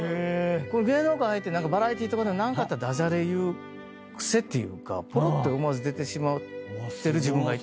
芸能界入ってバラエティーとかでも何かあったらダジャレ言う癖っていうかぽろって思わず出てしまってる自分がいて。